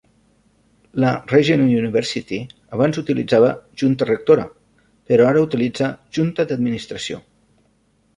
La Regent University abans utilitzava "Junta rectora", però ara utilitza "Junta d'administració".